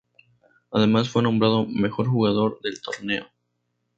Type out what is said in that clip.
Además, fue nombrado Mejor Jugador del Torneo.